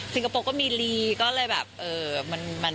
คโปร์ก็มีลีก็เลยแบบเออ